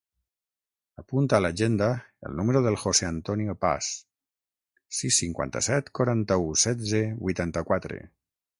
Apunta a l'agenda el número del José antonio Paz: sis, cinquanta-set, quaranta-u, setze, vuitanta-quatre.